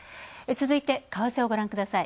続いて、為替をご覧ください。